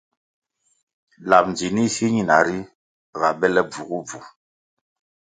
Lab ndzinih si ñina ri ga bele bvugubvu.